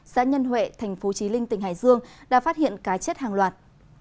xã nhân huệ thành phố trí linh tỉnh hải dương đã phát hiện cá chết hàng loạt